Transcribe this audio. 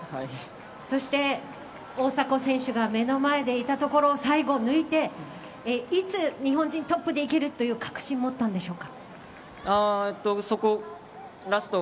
大迫選手が目の前にいたところ最後抜いていつ日本人トップでいけるという確信を持ったんでしょうか。